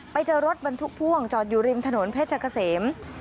ไปเจอรถบรรทุกพ่วงจอดอยู่ริมถนนเพชรเกษม